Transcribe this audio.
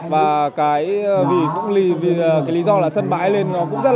và cái lý do là sân bãi lên nó cũng rất là vui